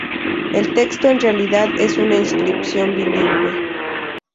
El texto en realidad es una inscripción bilingüe.